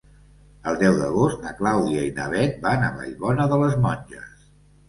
El deu d'agost na Clàudia i na Bet van a Vallbona de les Monges.